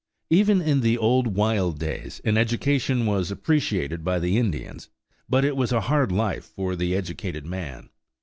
Even in the old, wild days, an education was appreciated by the Indians; but it was a hard life for the educated man.